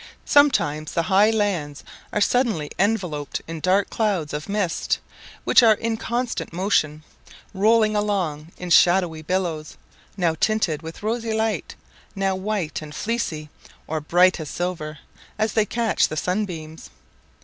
Sometimes the high lands are suddenly enveloped in dense clouds of mist, which are in constant motion, rolling along in shadowy billows, now tinted with rosy light, now white and fleecy, or bright as silver, as they catch the sunbeams.